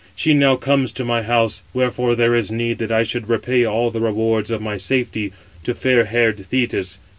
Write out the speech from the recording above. She now comes to my house; wherefore there is need that I should repay all the rewards of my safety to fair haired Thetis.